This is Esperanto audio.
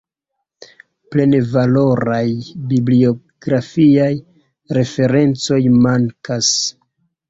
Plenvaloraj bibliografiaj referencoj mankas.